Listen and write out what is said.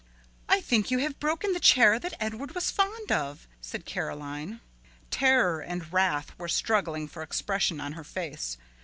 "I think you have broken the chair that Edward was fond of," said Caroline. Terror and wrath were struggling for expression on her face.